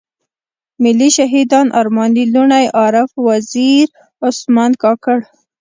ملي شهيدان ارمان لوڼی، عارف وزير، عثمان کاکړ.